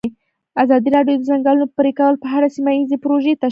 ازادي راډیو د د ځنګلونو پرېکول په اړه سیمه ییزې پروژې تشریح کړې.